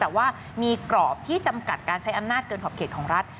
แต่ว่ามีกรอบที่จำกัดการใช้อำนาจเกินขอบเขตของรัฐ